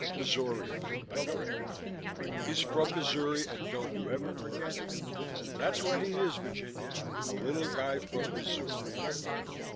"Missouri," I corrected her. "He's from Missouri and don't you ever forget it. That's what he is, Virginia, a little guy from Missouri."